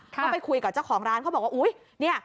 ก็ไปคุยกับเจ้าของร้านเขาบอกว่าอุ๊ยเนี่ย